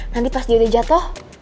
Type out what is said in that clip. nanti pas dia udah jatuh